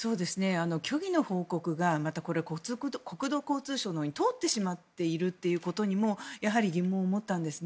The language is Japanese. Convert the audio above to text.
虚偽の報告がまたこれ、国土交通省に通ってしまっているということにもやはり疑問を持ったんです。